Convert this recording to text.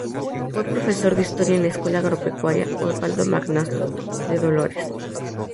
Fue profesor de historia en la Escuela Agropecuaria "Osvaldo Magnasco", de Dolores.